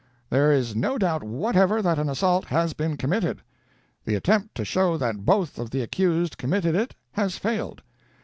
There is no doubt whatever that an assault has been committed. The attempt to show that both of the accused committed it has failed.